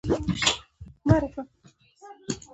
چرګان الوتلی نشي